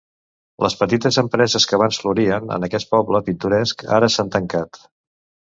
Les petites empreses que abans florien en aquest poble pintoresc ara s'han tancat.